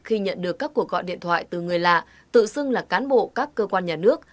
khi nhận được các cuộc gọi điện thoại từ người lạ tự xưng là cán bộ các cơ quan nhà nước